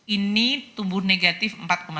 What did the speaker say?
ini tumbuh negatif empat lima